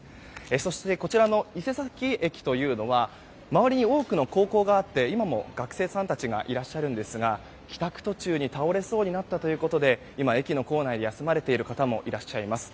そしてこちらの伊勢崎駅というのは周りに多くの高校があって今も学生さんたちがいらっしゃるんですが帰宅途中に倒れそうになったということで今、駅の構内で休まれている方もいらっしゃいます。